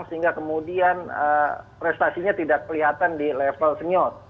sehingga kemudian prestasinya tidak kelihatan di level senior